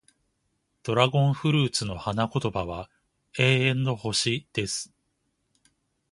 ドラゴンフルーツの花言葉は、永遠の星、です。